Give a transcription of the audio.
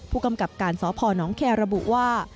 ผู้กำกับการสพนแคร์ระบุว่า